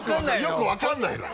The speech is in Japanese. よく分からないのよ。